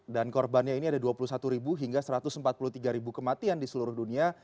dan korbannya ini ada dua puluh satu hingga satu ratus empat puluh tiga kematian di seluruh dunia